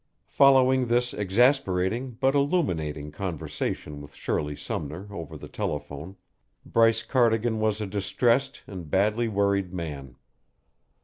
Following this exasperating but illuminating conversation with Shirley Sumner over the telephone, Bryce Cardigan was a distressed and badly worried man.